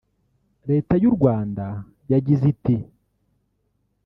Leta y’u Rwanda yagize iti